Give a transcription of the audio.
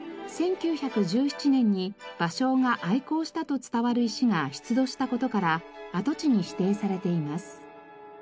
１９１７年に芭蕉が愛好したと伝わる石が出土した事から跡地に指定されています。